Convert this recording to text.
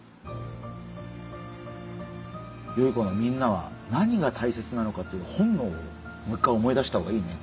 よい子のみんなは何が大切なのかっていう本能をもう一回思い出した方がいいね。